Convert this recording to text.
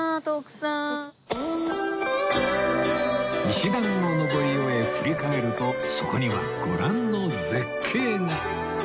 石段を上り終え振り返るとそこにはご覧の絶景が